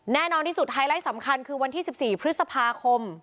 แน่นอนที่สุดไฮไลท์สำคัญคือวันที่๑๔พฤษภาคม